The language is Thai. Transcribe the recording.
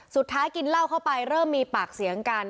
สุดท้ายกินเล่าเข้าไปเริ่มมีปากเสียงกัน